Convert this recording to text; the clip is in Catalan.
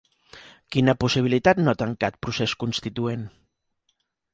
Quina possibilitat no ha tancat Procés Constituent?